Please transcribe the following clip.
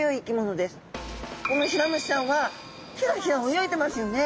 このヒラムシちゃんはヒラヒラ泳いでますよね。